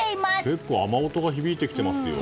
結構、雨音が響いてますよ。